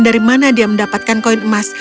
dari mana dia mendapatkan koin emas